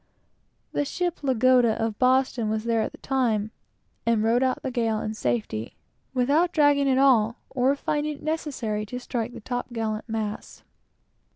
The ship Lagoda, of Boston, was there at the time, and rode out the gale in safety, without dragging at all, or finding it necessary to strike her top gallant masts.